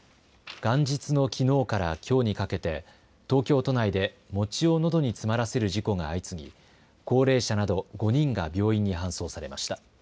元日のきのうからきょうにかけて、東京都内で餅をのどに詰まらせる事故が相次ぎ、高齢者など５人が病院に搬送されました。